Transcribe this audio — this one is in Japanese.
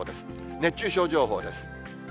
熱中症情報です。